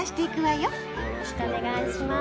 よろしくお願いします。